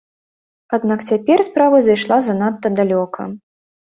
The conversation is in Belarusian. Аднак цяпер справа зайшла занадта далёка.